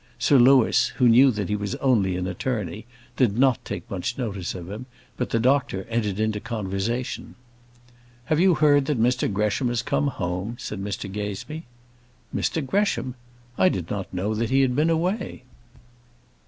Sir Louis, who knew that he was only an attorney, did not take much notice of him, but the doctor entered into conversation. "Have you heard that Mr Gresham has come home?" said Mr Gazebee. "Mr Gresham! I did not know that he had been away."